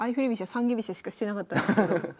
三間飛車しかしてなかったんですけど。